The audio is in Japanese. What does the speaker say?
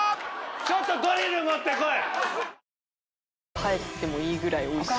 ちょっとドリル持ってこい！